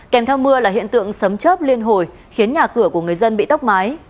kèm theo mưa là hiện tượng sấm chớp liên hồi khiến nhà cửa của người dân bị tốc mái